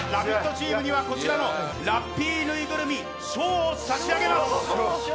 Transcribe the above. チームにはこちらのラッピーぬいぐるみを差し上げます。